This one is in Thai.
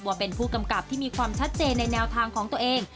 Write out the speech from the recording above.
ว่าเป็นผู้กำกับที่มีความชัดเจนในแนวทางของตัวเอง